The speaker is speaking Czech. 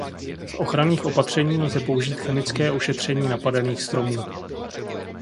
Z ochranných opatření lze použít chemické ošetření napadených stromů.